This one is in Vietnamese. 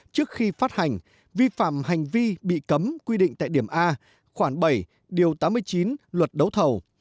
trước khi phát hành vi phạm hành vi bị cấm quy định tại điểm a khoảng bảy điều tám mươi chín luật đấu thầu